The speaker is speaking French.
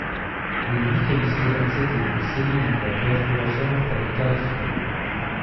Les huit qualifiés accèdent aux séries éliminatoires commençant donc par les quart de finale.